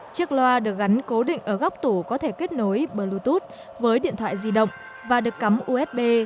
chiếc loa được gắn cố định ở góc tủ có thể kết nối bluetooth với điện thoại di động và được cắm usb